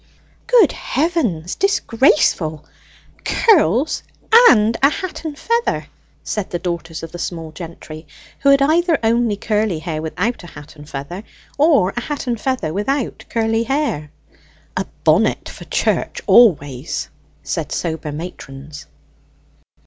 "Good heavens disgraceful! Curls and a hat and feather!" said the daughters of the small gentry, who had either only curly hair without a hat and feather, or a hat and feather without curly hair. "A bonnet for church always," said sober matrons.